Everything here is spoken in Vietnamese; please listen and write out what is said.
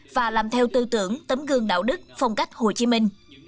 và làm theo tư tưởng tấm gương đạo đức phong cách hồ chí minh